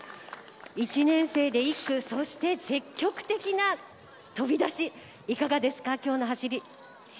１年生で１区、そして積極的な飛び出しいかがですか今日の走り。